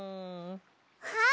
あっ！